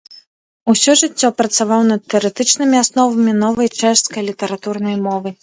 Усё жыццё працаваў над тэарэтычнымі асновамі новай чэшскай літаратурнай мовы.